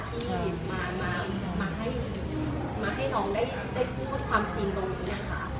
ที่มาให้น้องได้พูดความจริงตรงนี้นะคะ